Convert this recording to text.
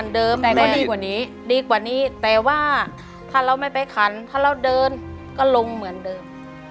ดีกว่านี้แต่ว่าถ้าเราไม่ไปขันถ้าเราเดินก็ลงเหมือนเดิม